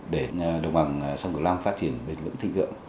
để đồng bằng sông cửu long phát triển bền vững thịnh vượng